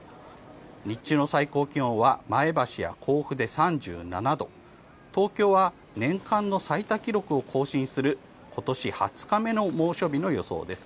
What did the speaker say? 日中の最高気温は前橋や甲府で３７度東京は年間の最多記録を更新する今年２０日目の猛暑日の予想です。